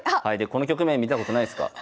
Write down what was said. この局面見たことないすか？